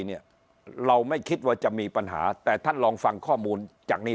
เนี่ยเราไม่คิดว่าจะมีปัญหาแต่ท่านลองฟังข้อมูลจากนี้